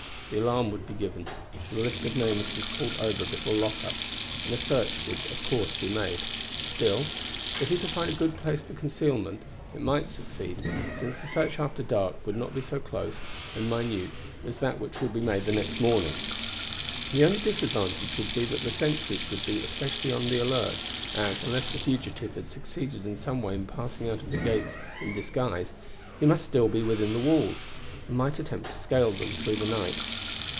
The alarm would be given, for the list of names was called over before lock up, and a search would of course be made. Still, if he could find a good place for concealment, it might succeed, since the search after dark would not be so close and minute as that which would be made next morning. The only disadvantage would be that the sentries would be especially on the alert, as, unless the fugitive had succeeded in some way in passing out of the gates in disguise, he must still be within the walls, and might attempt to scale them through the night.